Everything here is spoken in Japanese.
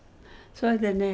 それでね